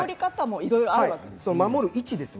守り方もいろいろあるんです